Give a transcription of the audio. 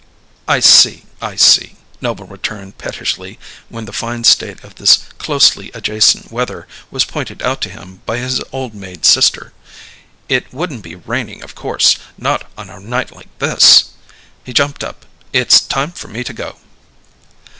"I see, I see," Noble returned pettishly when the fine state of this closely adjacent weather was pointed out to him by his old maid sister. "It wouldn't be raining, of course. Not on a night like this." He jumped up. "It's time for me to go."